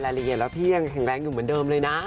ละเอียดแล้วพี่ยังแข็งแรงอยู่เหมือนเดิมเลยนะ